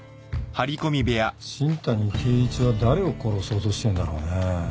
新谷啓一は誰を殺そうとしてんだろうね？